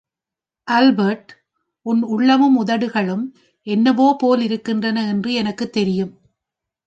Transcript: Albert, உன் உள்ளமும் உதடுகளும் என்னவோ போலிருக்கின்றன என்று எனக்கு தெரியும்.